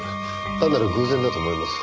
単なる偶然だと思います。